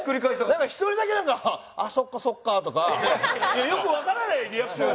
１人だけ「そっかそっか」とかよくわからないリアクション。